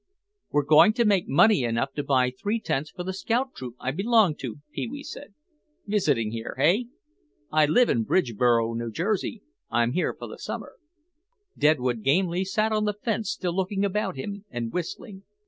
"We're going to make money enough to buy three tents for the scout troop I belong to," Pee wee said. "Visiting here, hey?" "I live in Bridgeboro, New Jersey; I'm here for the summer." Deadwood Gamely sat on the fence still looking about him and whistling.